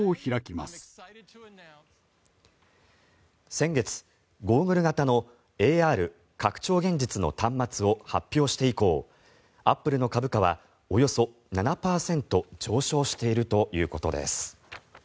先月、ゴーグル型のＡＲ・拡張現実の端末を発表して以降アップルの株価はおよそ７％上昇しているということです。